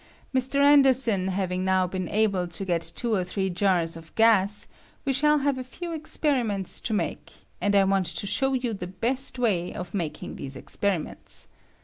* Mr. Anderson I having now been able to get two or three jars ^^^ of gas, we shall have a few experiments to ^^^k make, and I want to show you the best way of ^^B making these experiments.